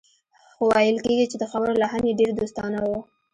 خو ویل کېږي چې د خبرو لحن یې ډېر دوستانه و